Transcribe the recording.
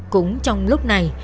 cũng trong lúc này